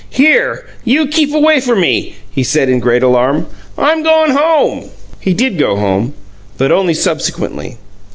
"Here! You keep away from me!" he said, in great alarm. "I'm goin' home." He did go home but only subsequently.